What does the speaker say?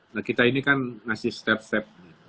nah kita ini kan ngasih step step